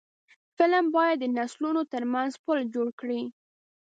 فلم باید د نسلونو ترمنځ پل جوړ کړي